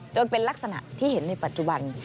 เป็นลักษณะที่เห็นในปัจจุบัน